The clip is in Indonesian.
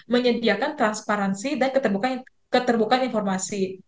menyediakan transparansi dan keterbukaan informasi